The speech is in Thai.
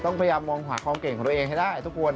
พยายามมองหาความเก่งของตัวเองให้ได้ทุกคน